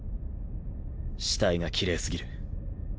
死体がきれいすぎる。